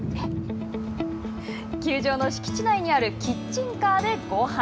球場の敷地内にあるキッチンカーでごはん。